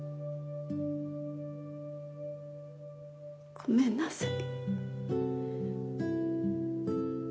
ごめんなさい。